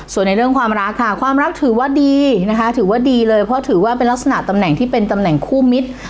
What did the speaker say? ส่วนในเรื่องความรักค่ะความรักถือว่าดีนะคะถือว่าดีเลยเพราะถือว่าเป็นลักษณะตำแหน่งที่เป็นตำแหน่งคู่มิตร